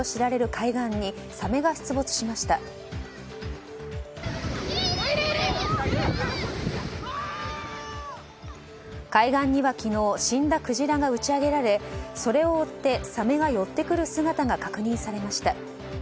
海岸には昨日死んだクジラが打ち上げられそれを追って、サメが寄ってくる姿が確認されました。